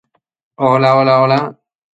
Fue formado en Club Deportivo Huachipato.